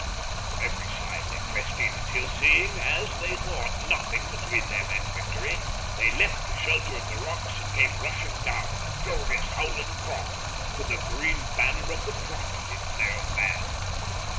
From every side they pressed in until, seeing, as they thought, nothing between them and victory, they left the shelter of the rocks and came rushing down, a furious, howling throng, with the green banner of the Prophet in their van.